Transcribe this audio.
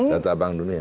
data bank dunia